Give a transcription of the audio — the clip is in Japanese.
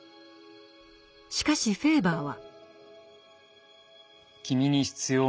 しかしフェーバーは。